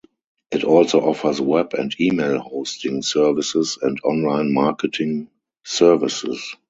It also offers web and email hosting services and online marketing services.